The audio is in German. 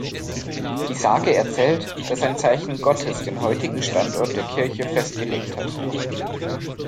Die Sage erzählt, dass ein Zeichen Gottes den heutigen Standort der Kirche festgelegt hat.